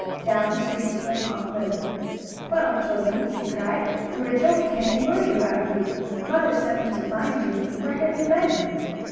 Down the street came Aunt Lu. "Well, children!" she cried. "We were just getting worried about you. Mother sent me to find you. Where have you been?"